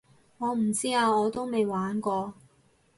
我唔知啊我都未玩過